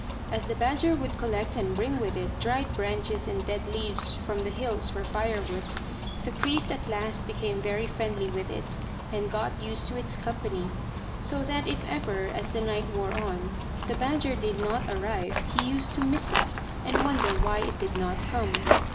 As the badger would collect and bring with it dried branches and dead leaves from the hills for firewood, the priest at last became very friendly with it, and got used to its company; so that if ever, as the night wore on, the badger did not arrive, he used to miss it, and wonder why it did not come.